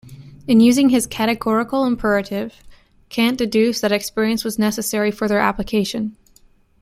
In using his categorical imperative Kant deduced that experience was necessary for their application.